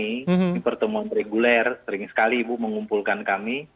ini pertemuan reguler sering sekali ibu mengumpulkan kami